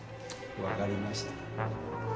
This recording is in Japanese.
分かりました。